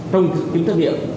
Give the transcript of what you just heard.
trong kỳ thi trắc nghiệm